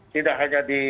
tidak hanya di